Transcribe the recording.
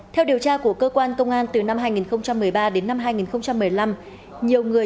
theo điều tra của cơ quan công an từ năm hai nghìn một mươi ba đến năm hai nghìn một mươi năm nhiều người